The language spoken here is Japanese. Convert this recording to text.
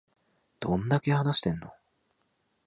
どんだけ話してんの